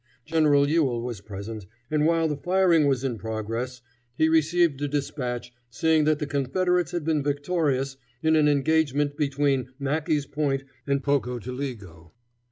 General Ewell was present, and while the firing was in progress he received a dispatch saying that the Confederates had been victorious in an engagement between Mackey's Point and Pocotaligo.